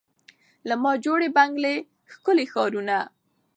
له ما جوړي بنګلې ښکلي ښارونه